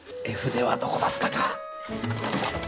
絵筆はどこだったか。